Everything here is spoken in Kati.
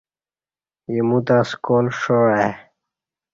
ایموتہ سکال ݜاع آئی